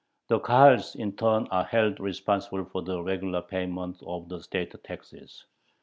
The Kahals in turn are held responsible for the regular payment of the state taxes.